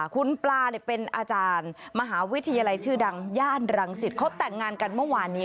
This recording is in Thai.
คุณปลาเป็นอาจารย์มหาวิทยาลัยชื่อดังย่านรังสิตเขาแต่งงานกันเมื่อวานนี้